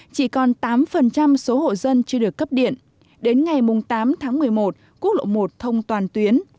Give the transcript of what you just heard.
chỉ còn tám số hộ dân chưa được cấp điện đến ngày tám tháng một mươi một quốc lộ một thông toàn tuyến